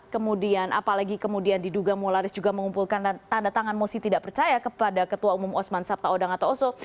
kemudian apalagi kemudian diduga mularis juga mengumpulkan tanda tangan mosi tidak percaya kepada ketua umum osman sabta odang atau oso